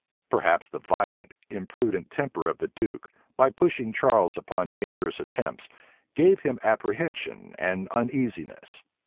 Perhaps the violent, imprudent temper of the duke, by pushing Charles upon dangerous attempts, gave him apprehension and uneasiness.